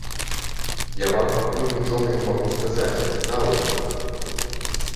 Я вам пакуль нічога не магу сказаць, праўда.